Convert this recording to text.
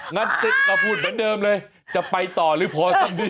งั้นจิ๊กก็พูดแบบเดิมเลยจะไปต่อหรือพอสักนี้